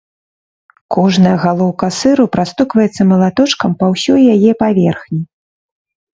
Кожная галоўка сыру прастукваецца малаточкам па ўсёй яе паверхні.